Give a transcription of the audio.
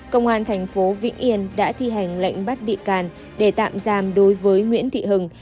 công an thành phố vĩnh yên đã thi hành lệnh bắt bị can để tạm giam đối với nguyễn thị hằng